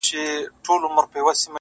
• په سپوږمۍ كي زمـــا ژوندون دى؛